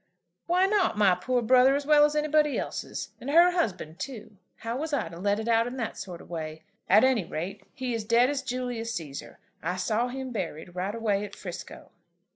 "Why not my poor brother as well as anybody else's? And her husband too! How was I to let it out in that sort of way? At any rate he is dead as Julius Cæsar. I saw him buried, right away at 'Frisco."